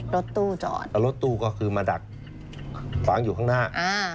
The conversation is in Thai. รถตู้จอดแล้วรถตู้ก็คือมาดักขวางอยู่ข้างหน้าอ่า